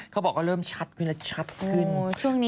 เขาบอกเริ่มชัดขึ้นแล้วชัดขึ้น